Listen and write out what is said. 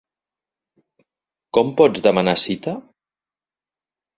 Com pots demanar cita?